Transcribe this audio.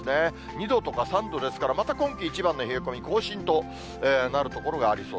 ２度とか３度ですから、また今季一番の冷え込み更新となると所がありそう。